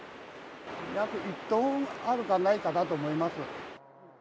約１トンあるかないかだと思います。